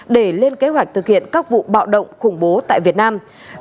để lên kế hoạch thực hiện các vụ bạo động khủng bố tại việt nam